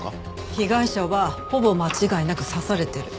被害者はほぼ間違いなく刺されてる。